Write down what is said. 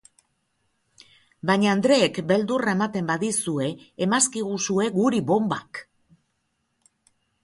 Baina andreek beldurra ematen badizue, emazkiguzue guri bonbak!